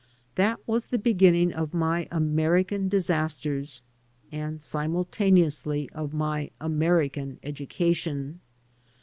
That was the beginnmg of my American disasters and simultaneously of my American education.